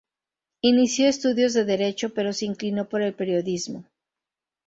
Inició estudios de derecho, pero se inclinó por el periodismo.